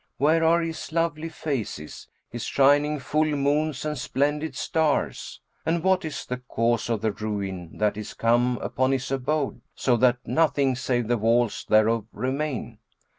Where are his lovely faces, his shining full moons and splendid stars; and what is the cause of the ruin that is come upon his abode, so that nothing save the walls thereof remain?"